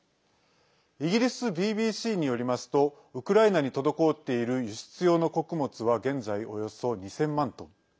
イギリスＢＢＣによりますとウクライナに滞っている輸出用の穀物は現在およそ２０００万トン。